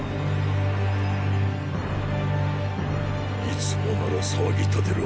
いつもなら騒ぎ立てる